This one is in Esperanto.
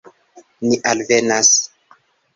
Ni alvenas.